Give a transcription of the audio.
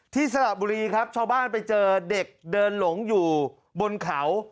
สระบุรีครับชาวบ้านไปเจอเด็กเดินหลงอยู่บนเขา